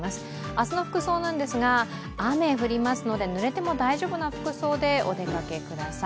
明日の服装なんですが、雨降りますので、ぬれても大丈夫な服装でお出かけください。